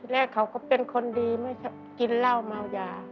และเขาก็เป็นคนดีไม่กินเหล้าเมายา